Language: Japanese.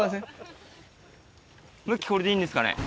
向きこれでいいんですかね？